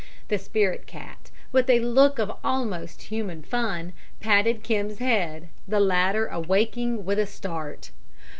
The spirit cat, with a look of almost human fun, patted Kim's head, the latter awaking with a start.